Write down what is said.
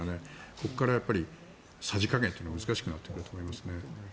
ここから、さじ加減は難しくなってくると思います。